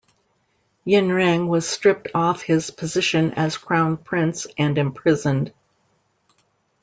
Yinreng was stripped off his position as Crown Prince and imprisoned.